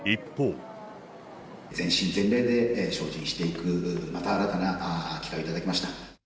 全身全霊で精進していく、また新たな機会を頂きました。